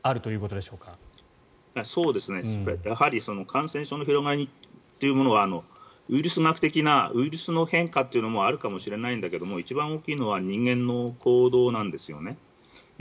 感染症の広がりというものはウイルス学的なウイルスの変化というのもあるかもしれないんだけど一番大きいのは人間の行動なんですね。